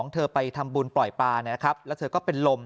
เธอไปทำบุญปล่อยปลานะครับแล้วเธอก็เป็นลม